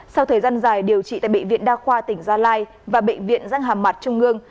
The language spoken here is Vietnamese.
sau thời gian dài điều trị tại bệnh viện đa khoa tỉnh gia lai và bệnh viện dân hàm mặt trung ương